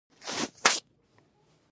د ډوډۍ په وخت کې خبرې کمې کیږي.